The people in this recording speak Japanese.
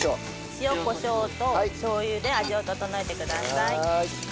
塩コショウとしょう油で味を調えてください。